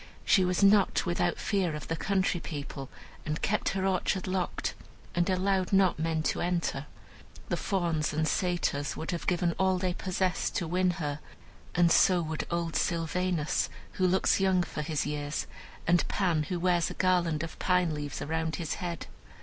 She was not without fear of the country people, and kept her orchard locked, and allowed not men to enter. The Fauns and Satyrs would have given all they possessed to win her, and so would old Sylvanus, who looks young for his years, and Pan, who wears a garland of pine leaves around his head.